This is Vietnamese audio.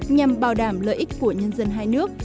nhằm bảo đảm lợi ích của nhân dân hai nước